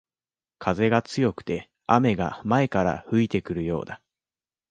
風が強くて雨が前から吹いてくるようだ